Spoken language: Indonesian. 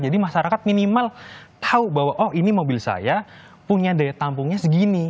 jadi masyarakat minimal tahu bahwa oh ini mobil saya punya daya tampungnya segini